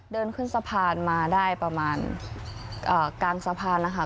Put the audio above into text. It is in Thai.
เดินขึ้นสะพานมาได้ประมาณกลางสะพานนะคะ